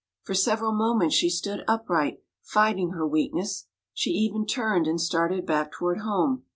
For several moments she stood upright fighting her weakness; she even turned and started back toward home.